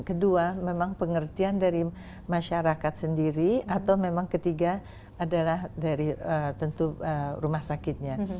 kedua memang pengertian dari masyarakat sendiri atau memang ketiga adalah dari tentu rumah sakitnya